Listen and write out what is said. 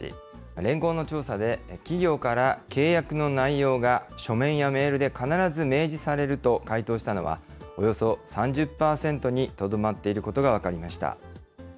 連合の調査で、企業から契約の内容が書面やメールで必ず明示されると回答したのは、およそ３０％にとどまっていることが分かりました。